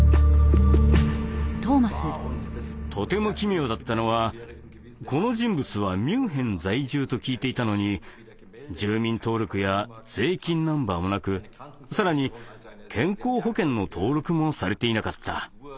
とても奇妙だったのはこの人物はミュンヘン在住と聞いていたのに住民登録や税金ナンバーもなく更に健康保険の登録もされていなかった。